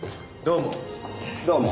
どうも。